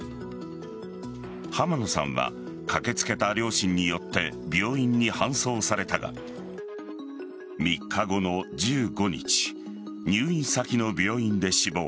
濱野さんは駆けつけた両親によって病院に搬送されたが３日後の１５日入院先の病院で死亡。